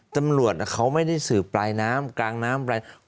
ตำรวจเขาไม่ได้สืบปลายน้ำกลางน้ำปลายน้ำ